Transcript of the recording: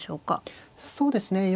そうですね。